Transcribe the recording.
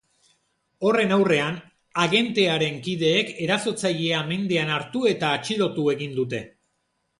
Horren aurrean, agentearen kideek erasotzailea mendean hartu eta atxilotu egin dute.